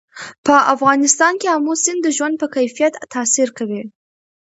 په افغانستان کې آمو سیند د ژوند په کیفیت تاثیر کوي.